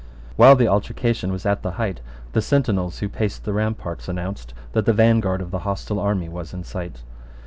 While the altercation was at the height, the sentinels who paced the ramparts announced that the vanguard of the hostile army was in sight.